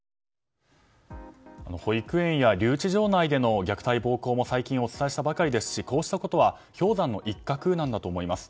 保育園や留置場内での虐待、暴行も最近お伝えしたばかりですしこうしたことは氷山の一角なんだと思います。